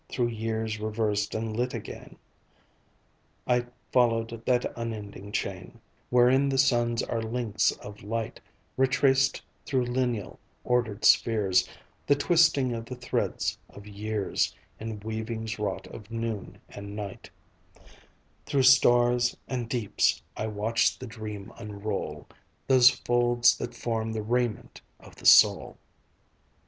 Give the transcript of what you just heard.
Through years reversed and lit again I followed that unending chain Wherein the suns are links of light; Retraced through lineal, ordered spheres The twisting of the threads of years In weavings wrought of noon and night; Through stars and deeps I watched the dream unroll, Those folds that form the raiment of the soul.